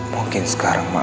mungkin sekarang malam